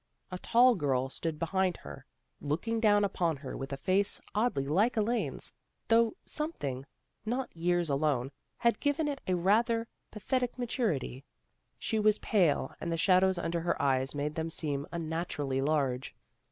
A tall girl stood behind her, looking down upon her with a face oddly like Elaine's, though something not years alone had given it a rather pathetic maturity. She was pale, and the shadows under her eyes made them seem unnaturally large.